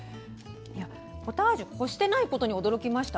ポタージュこしてないことに驚きました。